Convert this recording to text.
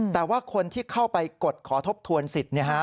แต่ว่าคนที่เข้าไปกดขอทบทวนสิทธิ์